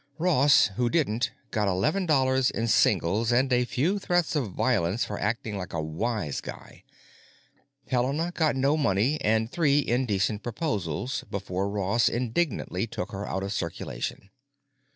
Ross, who didn't, got eleven dollars in singles and a few threats of violence for acting like a wise guy. Helena got no money and three indecent proposals before Ross indignantly took her out of circulation.